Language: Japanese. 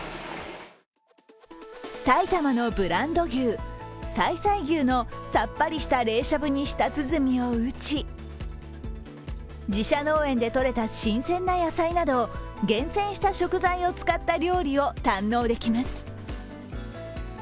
埼玉のブランド牛、彩さい牛のさっぱりした冷しゃぶに舌鼓を打ち、自社農園でとれた新鮮な野菜など厳選した食材を使った料理を堪能できます。